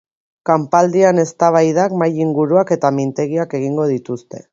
Kanpaldian eztabaidak, mahai-inguruak eta mintegiak egingo dituzte.